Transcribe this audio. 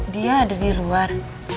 dia ada di luar